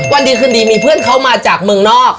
วันดีคืนดีมีเพื่อนเขามาจากเมืองนอก